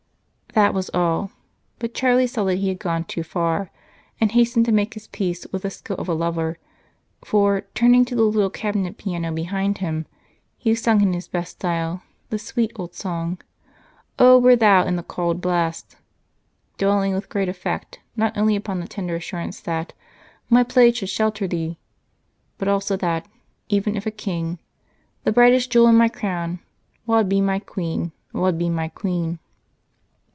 That was all but Charlie saw that he had gone too far and hastened to make his peace with the skill of a lover, for, turning to the little cabinet piano behind him, he sang in his best style the sweet old song: "Oh were thou in the cauld blast," dwelling with great effect, not only upon the tender assurance that "My plaid should shelter thee," but also that, even if a king, "The brightest jewel in my crown Wad be my queen, wad be my queen."